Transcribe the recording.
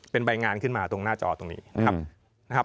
เป็นใบงานขึ้นมาตรงหน้าจอตรงนี้นะครับ